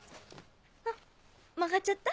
あっ曲がっちゃった？